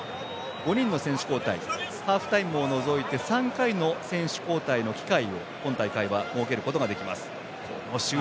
５人の選手交代ハーフタイムを除いて３回の選手交代の機会を今大会は設けることができます。